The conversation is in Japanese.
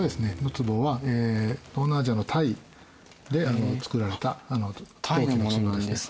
つぼは東南アジアのタイで作られた陶器のつぼです。